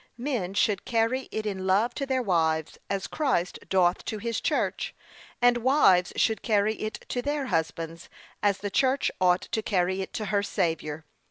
Men should carry it in love to their wives, as Christ doth to his church; and wives should carry it to their husbands, as the church ought to carry it to her Saviour.